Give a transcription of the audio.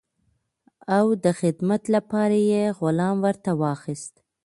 او د خدمت لپاره یې غلام ورته واخیست.